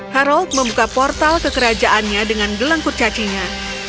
harold membuka portal kekerajaannya dengan gelang kurcacinya